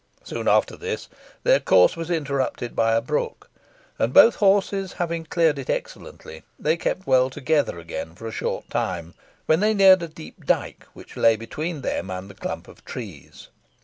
Shortly after this their course was intercepted by a brook, and both horses having cleared it excellently, they kept well together again for a short time, when they neared a deep dyke which lay between them and the clump of trees.